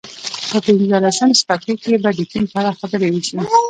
په پنځلسم څپرکي کې به د چین په اړه خبرې وشي